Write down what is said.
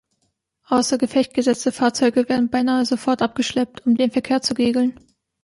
Außer Gefecht gesetzte Fahrzeuge werden beinahe sofort abgeschleppt, um den Verkehr zu regeln.